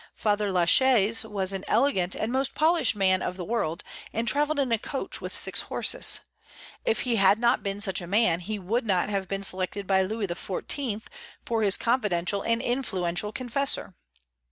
Father La Chaise was an elegant and most polished man of the world, and travelled in a coach with six horses. If he had not been such a man, he would not have been selected by Louis XIV. for his confidential and influential confessor.